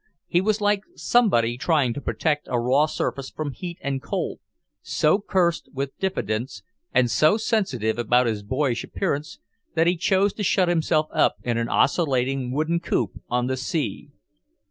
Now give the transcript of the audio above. He was like somebody trying to protect a raw surface from heat and cold; so cursed with diffidence, and so sensitive about his boyish appearance that he chose to shut himself up in an oscillating wooden coop on the sea.